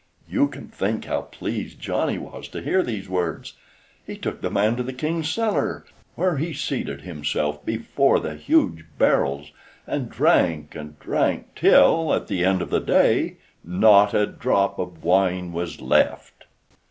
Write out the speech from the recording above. You can think how pleased Johnny was to hear these words. He took the man to the King's cellar, where he seated himself before the huge barrels, and drank and drank till, at the end of the day, not a drop of wine was left.